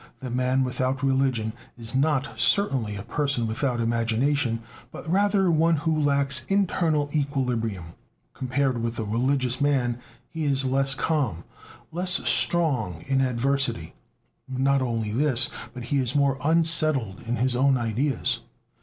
The man without religion is not, certainly, a person without imagination, but rather one who lacks internal equilibrium; compared with the religious man he is less calm, less strong in adversity; not only this, but he is more unsettled in his own ideas.